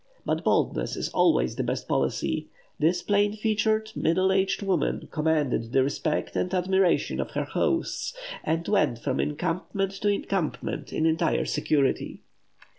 But boldness is always the best policy: this plain featured, middle aged woman commanded the respect and admiration of her hosts, and went from encampment to encampment in entire security.